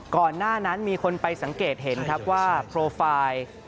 ก่อนหน้านั้นมีคนไปสังเกตเห็นครับว่าโปรไฟล์